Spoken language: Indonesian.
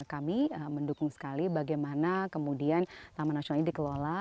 kami mendukung sekali bagaimana kemudian taman nasional ini dikelola